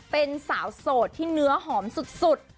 เป็นสาวโสดที่เนื้อหอมสุด